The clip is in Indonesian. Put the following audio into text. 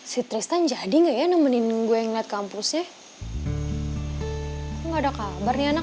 si tristan jadi enggak ya nemenin gue ngeliat kampusnya enggak ada kabarnya nak